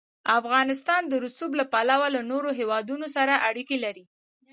افغانستان د رسوب له پلوه له نورو هېوادونو سره اړیکې لري.